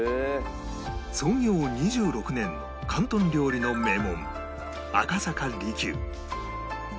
創業２６年広東料理の名門赤坂璃宮